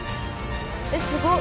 えっすごっ。